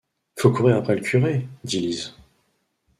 Faut courir après le curé, dit Lise.